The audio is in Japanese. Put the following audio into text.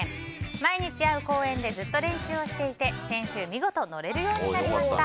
毎日会う公園でずっと練習していて先週、見事乗れるようになりました。